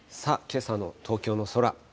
けさの東京の空。